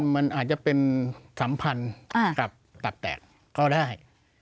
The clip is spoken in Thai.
มันอาจจะเป็นสัมพันธ์กับตับแตกก็ได้